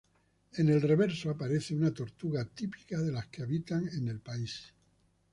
En el reverso aparece una tortuga típica de las que habitan en el país.